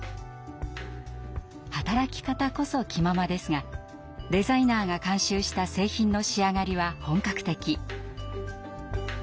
働き方こそ「キママ」ですがデザイナーが監修した製品の仕上がりは本格的。